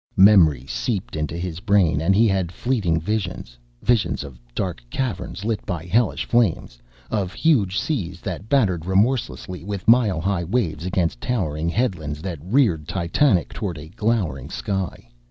Memory seeped into his brain and he had fleeting visions, visions of dark caverns lit by hellish flames, of huge seas that battered remorselessly with mile high waves against towering headlands that reared titanic toward a glowering sky.